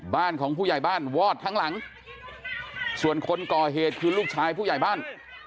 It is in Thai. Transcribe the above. บ้านของผู้ใหญ่บ้านวอดทั้งหลังส่วนคนก่อเหตุคือลูกชายผู้ใหญ่บ้าน